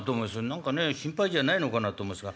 何かね心配じゃないのかなと思いますが。